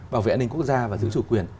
bảo vệ an ninh quốc gia và giữ chủ quyền